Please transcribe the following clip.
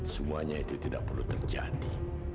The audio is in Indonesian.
semuanya itu tidak perlu terjadi